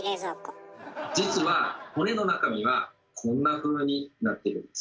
実は骨の中身はこんなふうになっているんです。